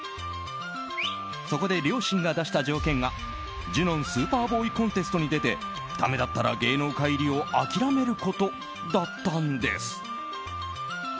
そこで両親が出した条件がジュノン・スーパーボーイ・コンテストに出てだめだったら芸能界入りを諦めることだったんです。